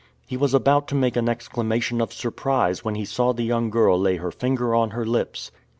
He was about to make an exclamation of surprise when he saw the young girl lay her finger on her lips.